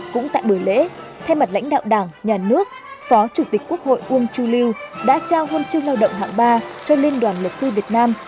cũng tại buổi lễ thay mặt lãnh đạo đảng nhà nước phó chủ tịch quốc hội uông chu lưu đã trao huân chương lao động hạng ba cho liên đoàn luật sư việt nam